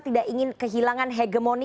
tidak ingin kehilangan hegemoni